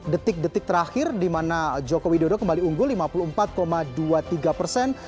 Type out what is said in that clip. detik detik terakhir di mana joko widodo kembali unggul lima puluh empat dua puluh tiga persen